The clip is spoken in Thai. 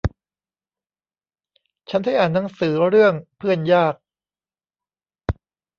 ฉันได้อ่านหนังสือเรื่องเพื่อนยาก